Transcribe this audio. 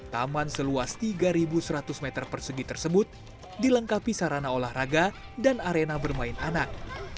taman seluas tiga seratus meter persegi tersebut dilengkapi sarana olahraga dan arena bermain anak